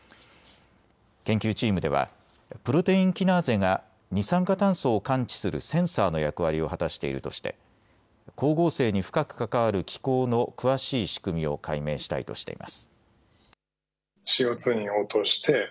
研究チームではプロテインキナーゼが二酸化炭素を感知するセンサーの役割を果たしているとして光合成に深く関わる気孔の詳しい仕組みを解明したいとしています。